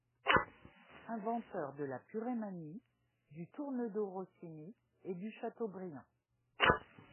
Inventeur de la purée Magny, du tournedos Rossini et du chateaubriand.